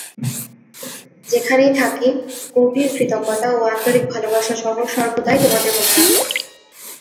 যেখানেই থাকি, গভীর কৃতজ্ঞতা ও আন্তরিক ভালবাসা সহ সর্বদাই তোমাদের মনে রাখব।